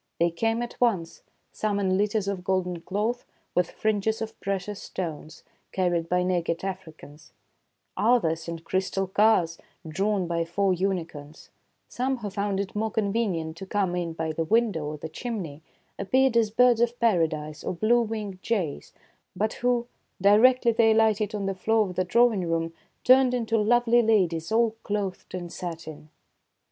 They came at once, — some in litters of golden cloth, with fringes of precious stones, carried by naked Africans ; others in crystal cars, drawn by four unicorns ; some, who found it more convenient to come in by the window or the chimney, appeared as birds of paradise or blue winged jays, but who, directly they alighted on the floor of the drawing room, turned into lovely ladies all clothed in satin.